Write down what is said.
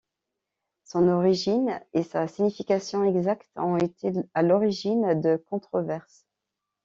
Son origine et sa signification exacte ont été à l'origine de controverses.